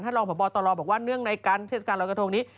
ท่านรองประบอตตลอบบอกว่าเนื่องในการเทศกาลรอยกระทงนี้